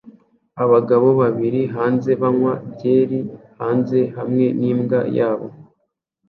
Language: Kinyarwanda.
Abagabo babiri hanze banywa byeri hanze hamwe n'imbwa yabo